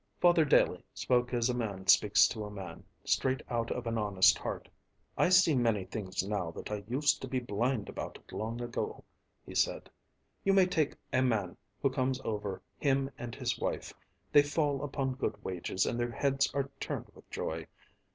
Father Daley spoke as man speaks to man, straight out of an honest heart. "I see many things now that I used to be blind about long ago," he said. "You may take a man who comes over, him and his wife. They fall upon good wages and their heads are turned with joy.